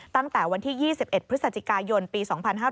ตั้งแต่วันที่๒๑พฤศจิกายนปี๒๕๕๙